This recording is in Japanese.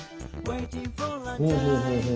ほうほうほうほう。